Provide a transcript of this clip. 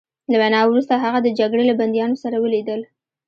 له وینا وروسته هغه د جګړې له بندیانو سره ولیدل